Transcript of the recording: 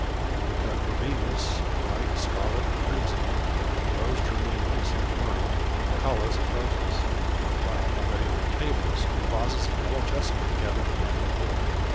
Then we cut verbenas, white, scarlet, and crimson, rose geraniums and myrtle, callas and roses; while already on our tables were vases of yellow jessamine, gathered the night before.